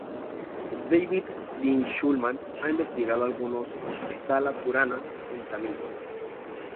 David Dean Shulman ha investigado algunos "Sthala-puranas" en tamil.